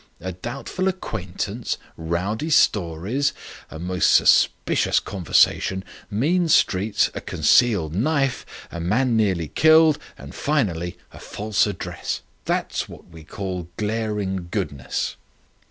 A doubtful acquaintance; rowdy stories, a most suspicious conversation, mean streets, a concealed knife, a man nearly killed, and, finally, a false address. That's what we call glaring goodness."